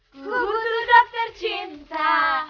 ku butuh dokter cinta